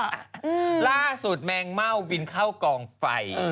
ล่าสุดแมงเม่าบินเข้ากองไฟ